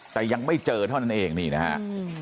แต่ยังไม่เจอเท่านั้นเองนี่นะฮะ